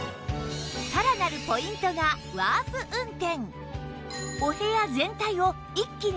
さらなるポイントがワープ運転